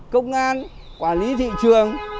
công an quản lý thị trường